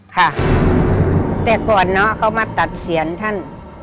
ค่ะแต่ก่อนเนาะเขามาตัดเสียนท่าน